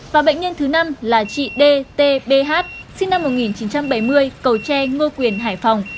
và bệnh nhân thứ năm là chị d t b h sinh năm một nghìn chín trăm bảy mươi cầu tre ngô quyền hải phòng